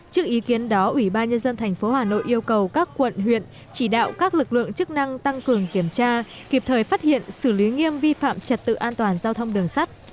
trước ý kiến đó ủy ban nhân dân tp hà nội yêu cầu các quận huyện chỉ đạo các lực lượng chức năng tăng cường kiểm tra kịp thời phát hiện xử lý nghiêm vi phạm trật tự an toàn giao thông đường sắt